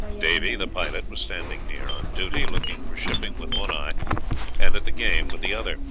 Davy, the pilot, was standing near on duty, looking for shipping with one eye and at the game with the other.